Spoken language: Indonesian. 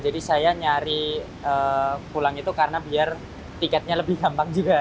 jadi saya nyari pulang itu karena biar tiketnya lebih gampang juga